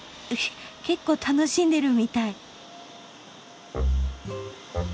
うふっ結構楽しんでるみたい。